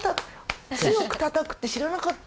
強くたたくって知らなかった。